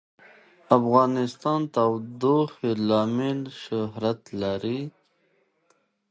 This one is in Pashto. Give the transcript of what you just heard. افغانستان د تودوخه له امله شهرت لري.